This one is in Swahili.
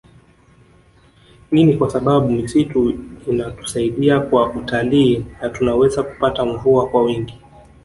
Hii ni kwa sababu misitu inatusaidia kwa utalii na tunaweza kupata mvua kwa wingi